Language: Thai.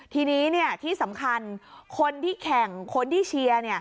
ทีนี้ที่สำคัญคนที่แข่งคนที่เชียร์